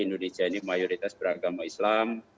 indonesia ini mayoritas beragama islam